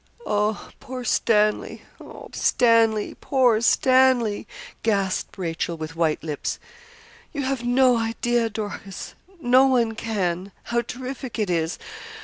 'Oh, poor Stanley. Oh, Stanley poor Stanley,' gasped Rachel, with white lips. 'You have no idea, Dorcas no one can how terrific it is.